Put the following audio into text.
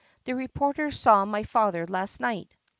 "The reporters saw my father last night.